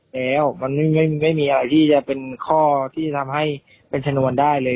แล้วมันไม่มีอะไรที่จะเป็นข้อที่ทำให้เป็นชนวนได้เลย